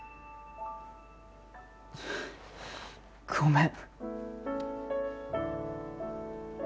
ごめん。